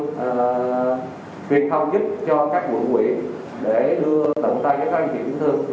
sở công thương truyền thống giúp cho các quận quỹ để đưa tận tay cho các anh chị tiểu thương